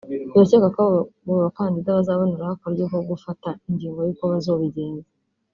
Birakekwa ko abo ba kandida bazoboneraho akaryo ko gufata ingingo y'uko bazobigenza